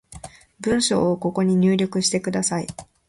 文章をここに入力してください